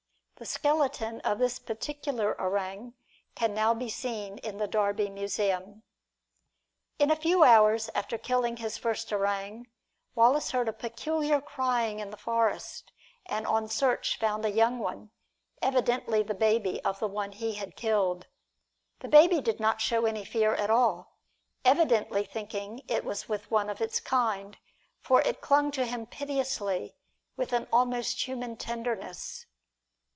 The skeleton of this particular orang can now be seen in the Derby Museum. In a few hours after killing his first orang, Wallace heard a peculiar crying in the forest, and on search found a young one, evidently the baby of the one he had killed. The baby did not show any fear at all, evidently thinking it was with one of its kind, for it clung to him piteously, with an almost human tenderness.